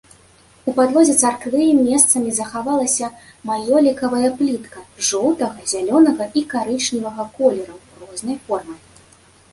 У падлозе царквы месцамі захавалася маёлікавая плітка жоўтага, зялёнага і карычневага колераў рознай формы.